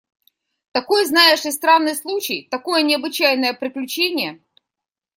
– Такой, знаешь ли, странный случай, такое необычайное приключение!